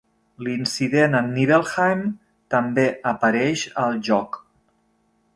L'incident a Nibelheim també apareix al joc.